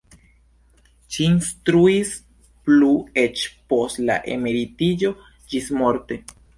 Ŝi instruis plu eĉ post la emeritiĝo ĝismorte.